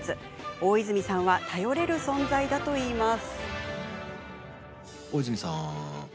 大泉さんは頼れる存在だといいます。